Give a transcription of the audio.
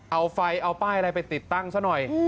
เอาไฟเอาป้ายอะไรไปติดตั้งซะหน่อย